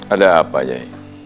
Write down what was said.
apa yang terjadi